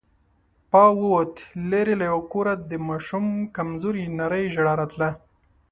پاو ووت، ليرې له يوه کوره د ماشوم کمزورې نرۍ ژړا راتله.